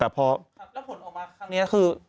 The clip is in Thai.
แล้วผลออกมาครั้งนี้คือ